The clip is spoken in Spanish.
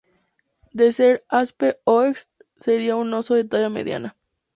De ser Aspe-oest seria un oso de talla media.